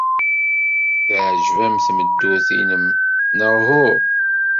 Teɛjeb-am tmeddurt-nnem, neɣ uhu?